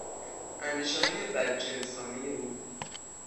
اندیشههای بدجنسانهی او